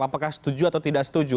apakah setuju atau tidak setuju